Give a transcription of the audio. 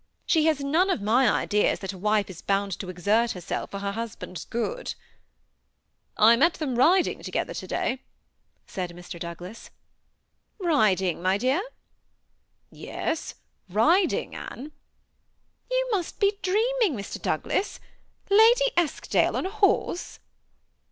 She has none of my ideas that a wife is bound to exert herself for her husband's good." ^ I met them riding together to day," said Mr. Doug las. " Riding, my dear I "" Yes, riding, Anne." 66 THE SEMI ATTACHED COUPLE. ^ You must be dreaming, Mr. Douglas, Ladj Esk dale on a horse